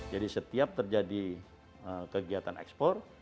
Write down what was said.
jadi setiap terjadi kegiatan ekspor